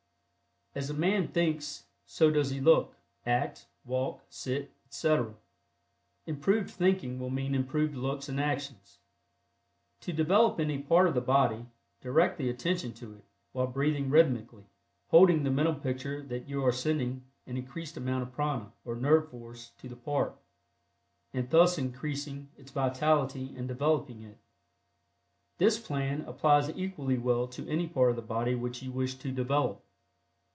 As a man thinks so does he look, act, walk, sit, etc. Improved thinking will mean improved looks and actions. To develop any part of the body, direct the attention to it, while breathing rhythmically, holding the mental picture that you are sending an increased amount of prana, or nerve force, to the part, and thus increasing its vitality and developing it. This plan applies equally well to any part of the body which you wish to develop.